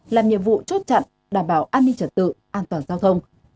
làm nhiệm vụ chốt chặn đảm bảo an ninh trật tự an toàn giao thông